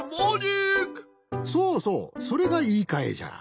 そうそうそれがいいかえじゃ。